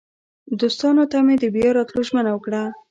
دوستانو ته مې د بیا راتلو ژمنه وکړه.